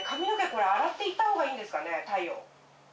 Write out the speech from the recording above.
これ洗っていった方がいいんですかね太陽。